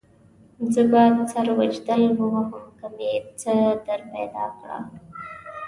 زه به سر وجدل ووهم که مې څه درپیدا کړه.